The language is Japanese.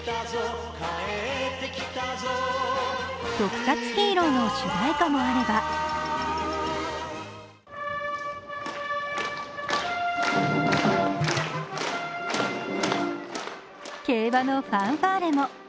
特撮ヒーローの主題歌もあれば競馬のファンファーレも。